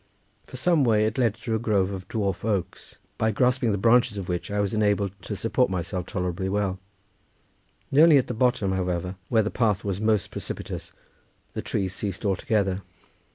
For some way it led through a grove of dwarf oaks, by grasping the branches of which I was enabled to support myself tolerably well; nearly at the bottom, however, where the path was most precipitous, the trees ceased altogether.